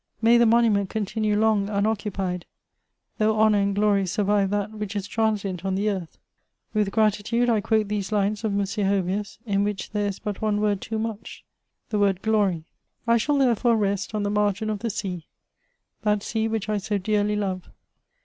May the monument oontiuue long unoccupied ; though honour and glory survive that which is tranisient on the earth !" With gratitude I quote these lines of M. Hoviu8» in which there is but one word too much — ^the word glory, I shall, therefore, rest on the margin of the sea ;— that sea which I so dearly love.